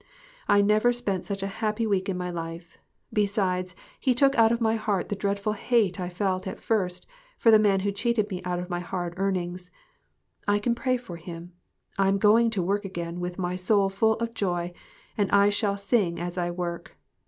I never spent such a happy week in my life. Besides, he took out of my heart the dreadful hate I felt at first for the man who cheated me out of my hard earnings. I can pray for him. I'm going to work again with my soul full of joy, and I shall sing as I work.